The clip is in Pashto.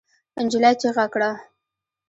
نجلۍ چيغه کړه.